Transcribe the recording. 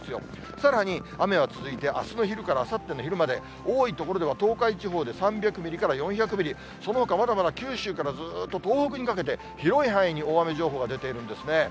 さらに雨は続いて、あすの昼からあさっての昼まで、多い所では東海地方で３００ミリから４００ミリ、そのほか、まだまだ九州からずーっと東北にかけて、広い範囲に大雨情報が出ているんですね。